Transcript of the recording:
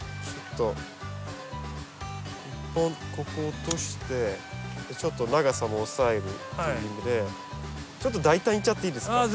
一本ここ落としてちょっと長さも抑えるという意味でちょっと大胆にいっちゃっていいですか？